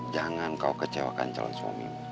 jangan kau kecewakan calon suamimu